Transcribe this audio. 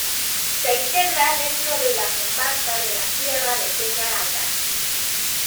Se integra dentro de la comarca de la Tierra de Peñaranda.